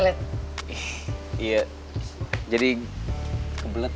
jadi pacar kamu lah